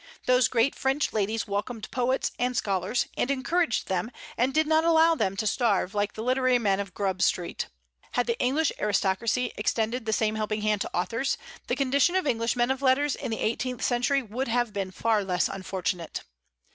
Those great French ladies welcomed poets and scholars, and encouraged them, and did not allow them to starve, like the literary men of Grub Street. Had the English aristocracy extended the same helping hand to authors, the condition of English men of letters in the eighteenth century would have been far less unfortunate.